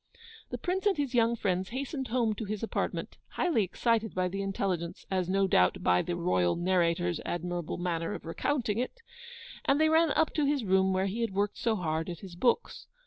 The Prince and his young friends hastened home to his apartment, highly excited by the intelligence, as no doubt by the ROYAL NARRATOR'S admirable manner of recounting it, and they ran up to his room where he had worked so hard at his books.